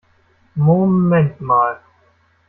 Moment mal!